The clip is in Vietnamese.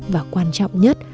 và quan trọng nhất